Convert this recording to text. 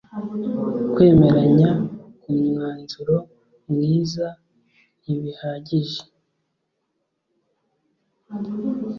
Kwemeranya ku mwanzuro mwiza ntibihagije.